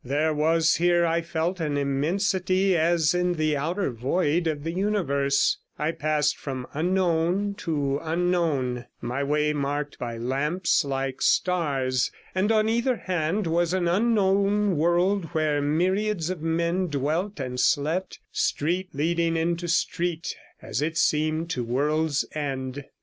There was here, I felt, an immensity as in the outer void of the universe; I 96 passed from unknown to unknown, my way marked by lamps like stars, and on either hand was an unknown world where myriads of men dwelt and slept, street leading into street, as it seemed to world's end.